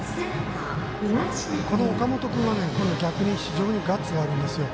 岡本君は逆に非常にガッツがあるんですよ。